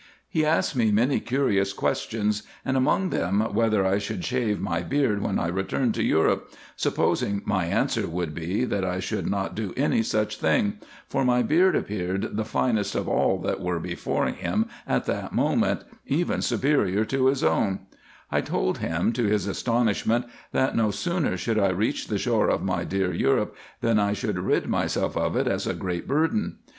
He asked me many curious questions, and among them, whether I should shave my beard when I returned to Europe, supposing my answer would be, that I should not do any such thing; for my beard appeared the finest of all that were before him at that moment, even superior to his own, I told him, to his astonishment, that no sooner should I reach the shore of my dear Europe, than I should rid myself of it as a great burden.